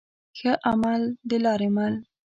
ښه عمل دلاري مل